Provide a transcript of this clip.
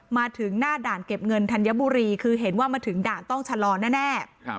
มาถึงหน้าด่านเก็บเงินธัญบุรีคือเห็นว่ามาถึงด่านต้องชะลอแน่